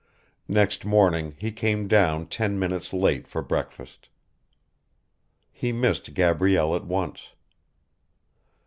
Next morning he came down ten minutes late for breakfast. He missed Gabrielle at once.